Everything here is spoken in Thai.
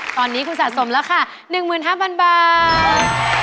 ตอนนี้คุณสะสมแล้วค่ะ๑๕๐๐๐บาท